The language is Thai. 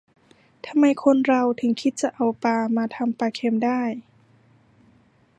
ทำไมคนเราถึงคิดจะเอาปลามาทำปลาเค็มได้